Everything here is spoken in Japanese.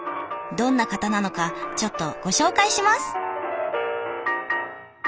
どんな方なのかちょっとご紹介します。